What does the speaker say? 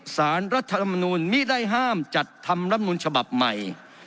สารรัฐมนุนมิได้ห้ามจัดทำรัฐมนุนฉบับใหม่